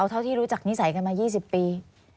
เท่าที่รู้จักนิสัยกันมา๒๐ปี